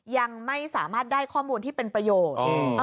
ยังไม่สามารถได้ข้อมูลที่เป็นประโยชน์